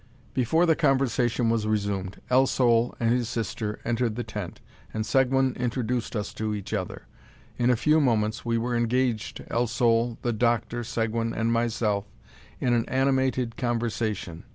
Before the conversation was resumed, El Sol and his sister entered the tent, and Seguin introduced us to each other. In a few moments we were engaged, El Sol, the doctor, Seguin, and myself, in an animated conversation.